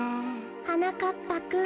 はなかっぱくん。